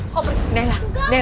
nela nela nela tenang